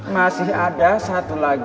masih ada satu lagi